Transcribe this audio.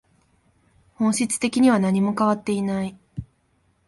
本質的には何も変わっていない